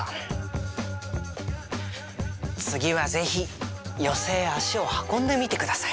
次は是非寄席へ足を運んでみて下さい。